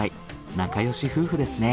仲よし夫婦ですね。